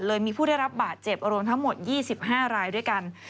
มีผู้ได้รับบาดเจ็บรวมทั้งหมด๒๕รายด้วยกัน